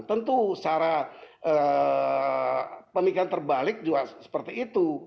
tentu secara pemikiran terbalik juga seperti itu